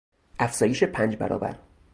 افزایش پنج برابر